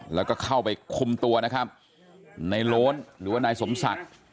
แล้วก็เข้าไปคุมตัวนะครับในโล้นหรือว่านายสมศักดิ์